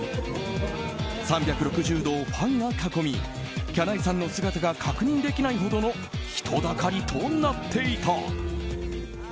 ３６０度、ファンが囲みきゃないさんの姿が確認できないほどの人だかりとなっていた。